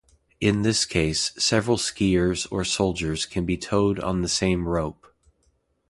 In this case, several skiers or soldiers can be towed on the same rope.